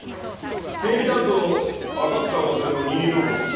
警備担当の赤塚勝を任意同行する。